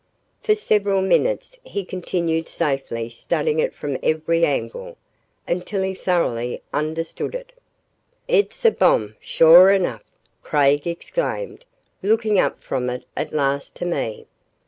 For several minutes he continued safely studying it from every angle, until he thoroughly understood it. "It's a bomb, sure enough," Craig exclaimed, looking up from it at last to me.